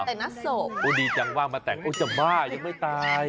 แต่งหน้าศพโอ้ดีจังว่างมาแต่งโอ้จะบ้ายังไม่ตาย